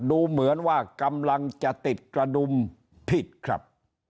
ดูเหมือนว่ากำลังจะติดกระดุมผิดครับ